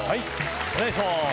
お願いします！